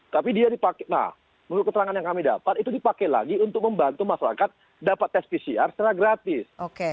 tapi dia dipakai nah menurut keterangan yang kami dapat itu dipakai lagi untuk membantu masyarakat dapat tes pcr secara gratis